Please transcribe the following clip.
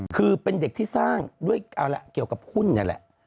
คือเป็นเด็กที่สร้างด้วยเอาละเกี่ยวกับหุ้นนี่แหละ